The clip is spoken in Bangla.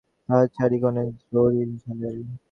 তাহার চারি কোণে জরির ঝালর।